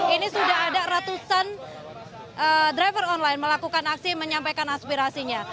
ini sudah ada ratusan driver online melakukan aksi menyampaikan aspirasinya